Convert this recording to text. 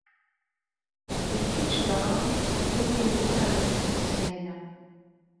D kečč dɣa iwumi riɣ ad-s mmeslayeɣ.